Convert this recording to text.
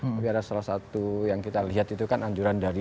tapi ada salah satu yang kita lihat itu kan anjuran dari